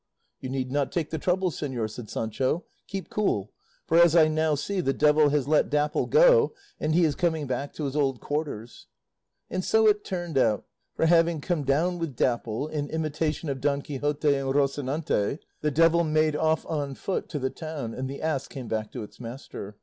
"You need not take the trouble, señor," said Sancho; "keep cool, for as I now see, the devil has let Dapple go and he is coming back to his old quarters;" and so it turned out, for, having come down with Dapple, in imitation of Don Quixote and Rocinante, the devil made off on foot to the town, and the ass came back to his master.